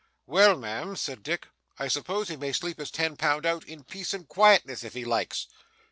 'Well, ma'am,' said Dick, 'I suppose he may sleep his ten pound out, in peace and quietness, if he likes.